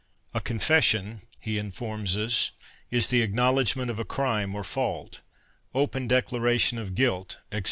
A confession, he informs us, is the acknowledgement of a crime or fault, open declaration of guilt, &c.